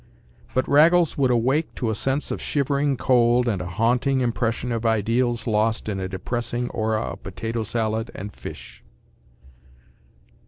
But Raggles would awake to a sense of shivering cold and a haunting impression of ideals lost in a depressing aura of potato salad and fish.